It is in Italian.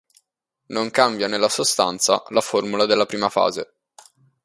Non cambia nella sostanza la formula della prima fase.